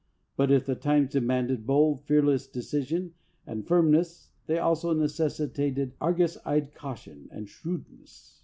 But if the times demanded bold, fearless de cision, and firmness, they also necessitated argus eved caution and shrewdness.